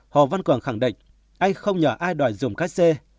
hồ văn cường khẳng định anh không nhờ ai đòi dùng cách xe